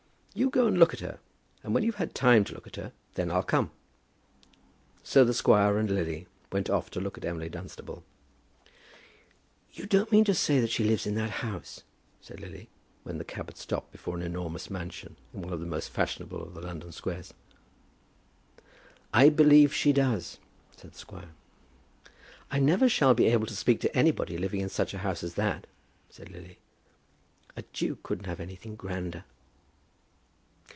"You go and look at her, and when you've had time to look at her, then I'll come!" So the squire and Lily went off to look at Emily Dunstable. "You don't mean to say that she lives in that house?" said Lily, when the cab was stopped before an enormous mansion in one of the most fashionable of the London squares. "I believe she does," said the squire. "I never shall be able to speak to anybody living in such a house as that," said Lily. "A duke couldn't have anything grander."